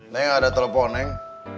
neng ada telepon neng